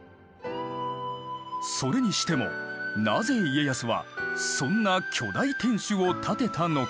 それにしてもなぜ家康はそんな巨大天守を建てたのか？